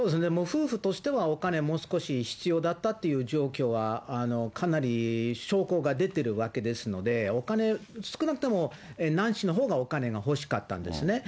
夫婦としてはお金、もう少し必要だったっていう状況は、かなり証拠が出てるわけですので、お金、少なくともナンシーのほうがお金が欲しかったんですね。